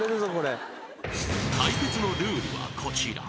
［対決のルールはこちら］